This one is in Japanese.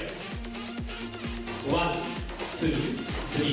ワンツースリー。